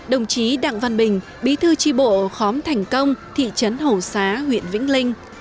đồng chí đặng văn bình bí thư tri bộ khóm thành công thị trấn hồ xá huyện vĩnh linh